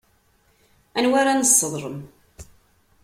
Anwa ara nesseḍlem?